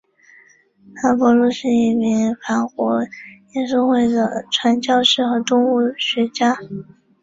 韩伯禄是一名法国耶稣会传教士和动物学家。